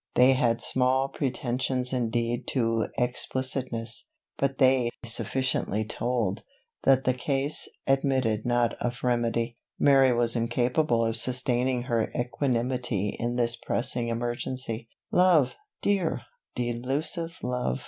They had small pretensions indeed to explicitness; but they sufficiently told, that the case admitted not of remedy. Mary was incapable of sustaining her equanimity in this pressing emergency. "Love, dear, delusive love!"